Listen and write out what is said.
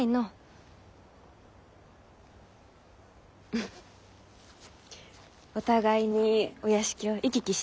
フフお互いにお屋敷を行き来して。